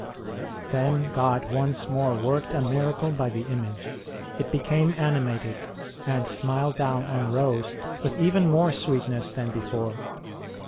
Then God once more worked a miracle by the image. It became animated, and smiled down on Rose with even more sweetness than before.